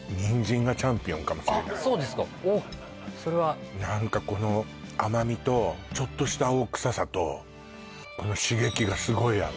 おっそれは何かこの甘味とちょっとした青臭さとこの刺激がすごい合う